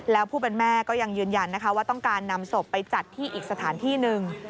แล้วผู้เป็นแม่ก็ยังยืนยันนะคะว่าต้องการนำศพไปจัดที่อีกสถานที่หนึ่ง